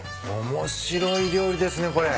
面白い料理ですねこれ。